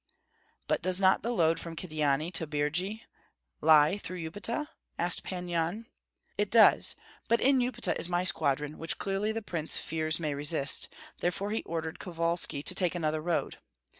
"But does not the load from Kyedani to Birji lie through Upita?" asked Pan Yan. "It does. But in Upita is my squadron, which clearly the prince fears may resist, therefore he ordered Kovalski to take another road.